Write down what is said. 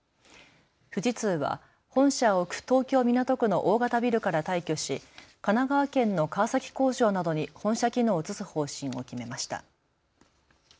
富士通は本社を置く東京港区の大型ビルから退去し神奈川県の川崎工場などに本社機能を移す方針を決めました。